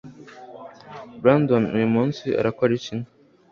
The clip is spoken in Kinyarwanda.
brandon uyu munsi urakora iki